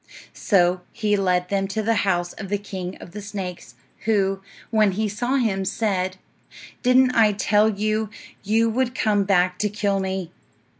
So he led them to the house of the king of the snakes, who, when he saw him, said, "Didn't I tell you you would come back to kill me?"